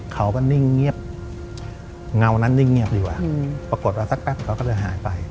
เขาก็นิ่งเงียบเงานั้นนิ่งเงียบดีกว่าปรากฏว่าสักแป๊บเขาก็เลยหายไป